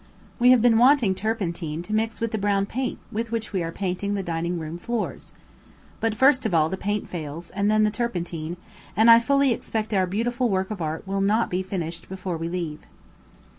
We have been wanting turpentine to mix with the brown paint with which we are painting, the dining room doors. But first of all the paint fails, and then the turpentine, and I fully expect our beautiful work of art will not be finished before we leave.